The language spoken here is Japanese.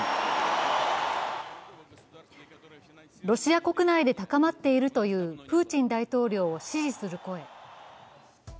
ロシア国内で高まっているというプーチン大統領を支持する声。